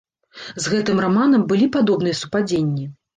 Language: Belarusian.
З гэтым раманам былі падобныя супадзенні?